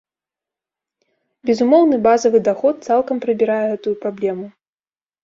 Безумоўны базавы даход цалкам прыбірае гэтую праблему.